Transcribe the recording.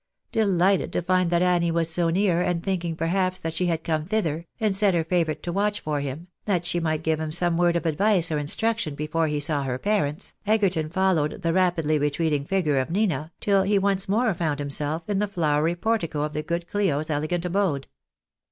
Delighted to find that Annie was so near, and thinking perhaps that she had come thither, and set her favourite to watch for him, that she might give him some word of advice or instruction before he saw her parents, Egerton followed the rapidly retreating figure of Nina, till he once more found himself in the flowery portico of the good Cho's elegant abode.